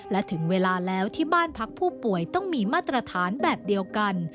และถึงเวลาแล้วที่บ้านพักผู้ป่วยต้องมีมาตรฐานแบบเดียวกัน